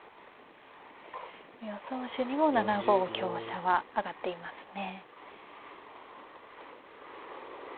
予想手にも７五香車は挙がっていますね。